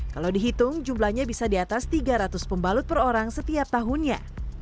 kalau dihitung jumlahnya bisa di atas tiga ratus pembalut per orang setiap tahunnya